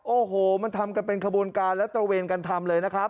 โอ้โหมันทำกันเป็นขบวนการและตระเวนกันทำเลยนะครับ